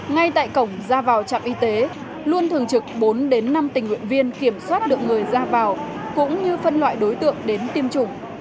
ngay tại cổng ra vào trạm y tế luôn thường trực bốn đến năm tình nguyện viên kiểm soát được người ra vào cũng như phân loại đối tượng đến tiêm chủng